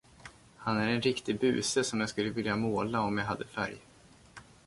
Han är en riktig buse som jag skulle vilja måla, om jag hade färg.